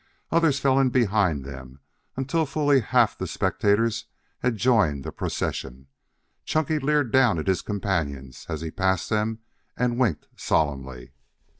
Others fell in behind them until fully half the spectators had joined the procession. Chunky leered down at his companions as he passed them and winked solemnly.